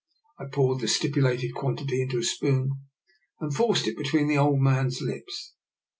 I poured the stipulated quan tity into a spoon and forced it between the old man's lips.